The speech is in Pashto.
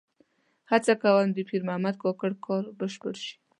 هڅه کوم د پیر محمد کاکړ کار بشپړ شي.